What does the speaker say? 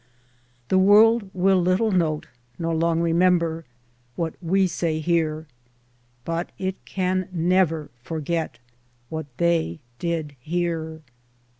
The world will little note, nor long remember, what we say here, but it can never forget what they did here.